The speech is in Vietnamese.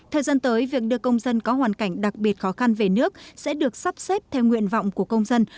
thời gian tới việc đưa công dân có hoàn cảnh đặc biệt khó khăn về nước sẽ được sắp xếp theo nguyện vọng của công dân